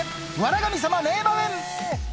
神様名場面。